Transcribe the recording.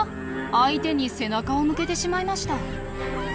相手に背中を向けてしまいました。